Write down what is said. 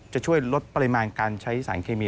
จะช่วยลดปริมาณการใช้สารเคมี